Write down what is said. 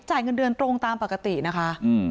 เงินเดือนตรงตามปกตินะคะ